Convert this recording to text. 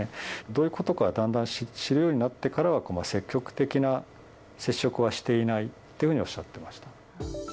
どういうことか、だんだん知るようになってからは、積極的な接触はしていないっていうふうにおっしゃってました。